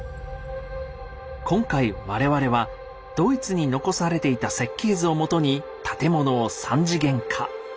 今回我々はドイツに残されていた設計図をもとに建物を３次元化。